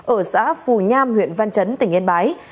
ở xã phù nham huyện văn chấn tỉnh yên bái